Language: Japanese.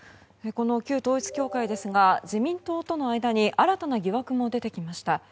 この旧統一教会ですが自民党との間に新たな疑惑も出てきました。